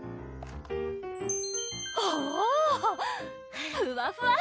おぉふわふわ